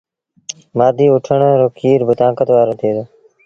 مآڌيٚ اُٺڻ رو کير با تآنڪت وآرو ٿئي دو۔